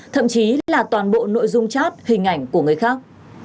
thậm chí là toàn bộ nội dung chát hình ảnh của người khác